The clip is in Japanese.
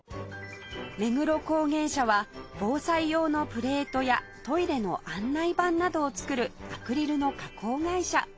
目黒工芸社は防災用のプレートやトイレの案内板などを作るアクリルの加工会社